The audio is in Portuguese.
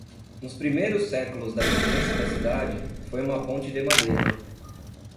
Nos primeiros séculos da existência da cidade, foi uma ponte de madeira.